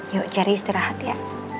yuk cherry istirahat ya